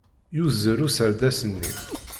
Yuzzel userdas-nni.